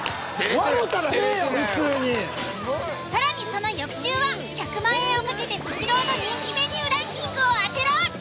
更にその翌週は１００万円を懸けて「スシロー」の人気メニューランキングを当てろ。